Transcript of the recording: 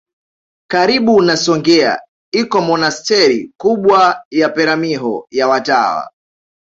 Karibu na Songea iko monasteri kubwa ya Peramiho ya watawa